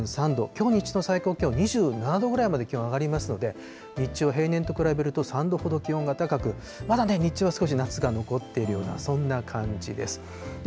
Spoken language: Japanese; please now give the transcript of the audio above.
きょう日中の最高気温２７度ぐらいまで気温上がりますので、日中は平年と比べると３度ほど気温が高く、まだ日中は少し夏が残っているような、そんな感じです。